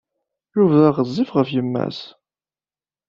Yuba ɣezzif ɣef yemma-s.